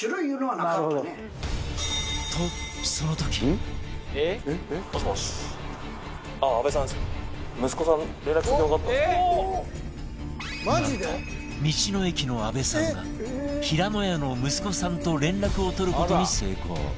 なんと道の駅の安部さんがひらのやの息子さんと連絡を取る事に成功